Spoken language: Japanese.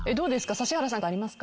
指原さんありますか？